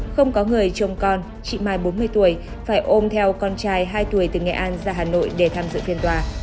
không có người chồng con chị mai bốn mươi tuổi phải ôm theo con trai hai tuổi từ nghệ an ra hà nội để tham dự phiên tòa